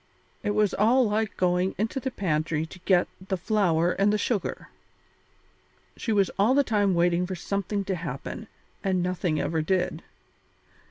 It was all like going into the pantry to get the flour and the sugar. She was all the time waiting for something to happen, and nothing ever did.